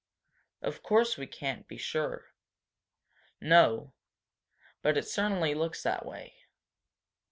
"Of course we can't be sure." "No, put it certainly looks that way.